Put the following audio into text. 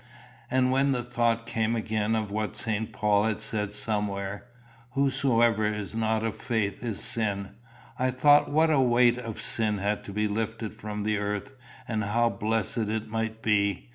And when the thought came again of what St. Paul had said somewhere, "whatsoever is not of faith is sin," I thought what a weight of sin had to be lifted from the earth, and how blessed it might be.